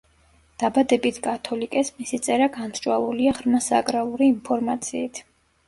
დაბადებით კათოლიკეს, მისი წერა გამსჭვალულია ღრმა საკრალური ინფორმაციით.